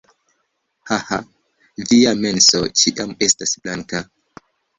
Haha. Via menso ĉiam estas blanka